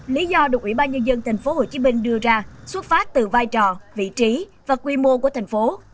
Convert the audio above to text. lý do được ubnd tp hcm đưa ra xuất phát từ vai trò vị trí và quy mô của thành phố